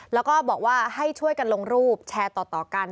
แล้วก็บอกว่าให้ช่วยกันลงรูปแชร์ต่อกัน